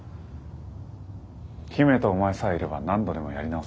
姫とお前さえいれば何度でもやり直せる。